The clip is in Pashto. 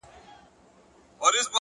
مهرباني د زړونو ترمنځ پُل جوړوي